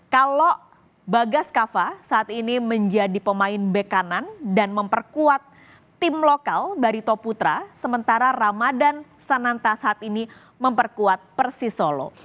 kalau bagas kava saat ini menjadi pemain back kanan dan memperkuat tim lokal barito putra sementara ramadan sananta saat ini memperkuat persisolo